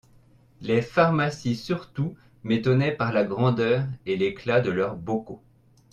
Les pharmacies surtout m’étonnaient par la grandeur et l’éclat de leurs bocaux.